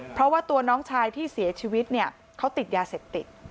เพราะว่าตัวน้องชายที่เสียชีวิตเนี่ยเขาติดยาเสพติด